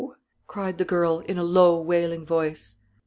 cried the girl, in a low wailing voice.